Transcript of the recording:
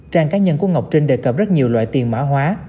trang cá nhân của ngọc trinh đề cập rất nhiều loại tiền mã hóa